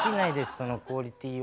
そのクオリティーを。